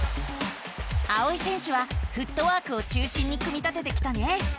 あおい選手はフットワークを中心に組み立ててきたね。